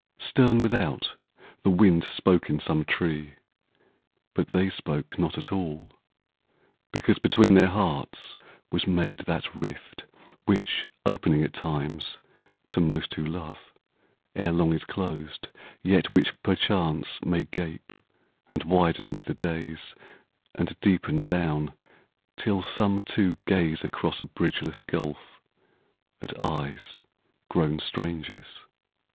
Stern without, the wind Spoke in some tree, but they spoke not at all, Because between their hearts was made that rift 74 A VISITOR Which, opening at times to most who love, Ere long is closed, yet which perchance may gape, And widen with the days, and deepen down, Till some two gaze across a bridgeless gulf At eyes grown strangers.